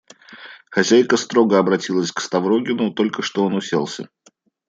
Хозяйка строго обратилась к Ставрогину, только что он уселся.